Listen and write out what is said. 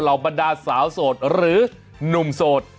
เหล่าบรรดาสาวโสดหรือนุ่มโสด